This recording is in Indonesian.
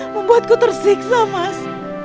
membuatku tersiksa mas